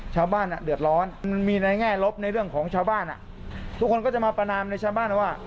ชาวบ้านอ่ะเดือดร้อนมันมีในแง่ลบในเรื่องของชาวบ้านอ่ะทุกคนก็จะมาประนามในชาวบ้านว่า